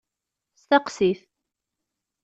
Steqsit!